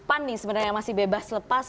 pan nih sebenarnya masih bebas lepas